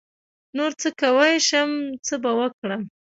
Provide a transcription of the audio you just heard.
نـور څه کوی شم څه به وکړم.